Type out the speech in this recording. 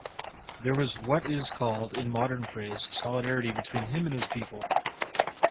There was what is called, in modern phrase, solidarity between him and his people.